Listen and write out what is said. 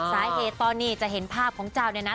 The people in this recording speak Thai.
สาเหตุตอนนี้จะเห็นภาพของเจ้าเนี่ยนะ